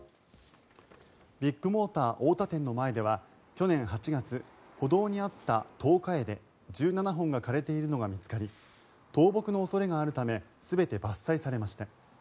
ビッグモーター太田店の前では去年８月歩道にあったトウカエデ１７本が枯れているのが見つかり倒木の恐れがあるため全て伐採されました。